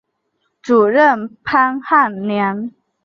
主任潘汉年。